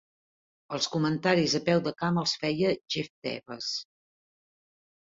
Els comentaris a peu de camp els feia Jeff Taves.